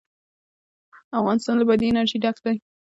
افغانستان له بادي انرژي ډک دی.